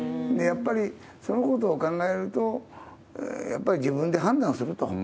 やっぱりそのことを考えると、やっぱり自分で判断すると。